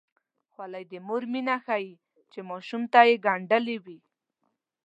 خولۍ د مور مینه ښيي چې ماشوم ته یې ګنډلې وي.